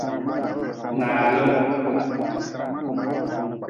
Naalam.